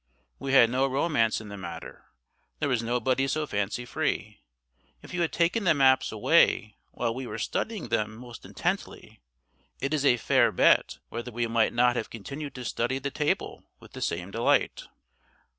We had no romance in the matter; there was nobody so fancy free. If you had taken the maps away while we were studying them most intently, it is a fair bet whether we might not have continued to study the table with the same delight.